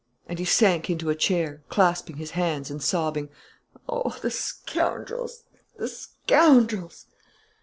And he sank into a chair, clasping his hands and sobbing: "Oh, the scoundrels! the scoundrels!"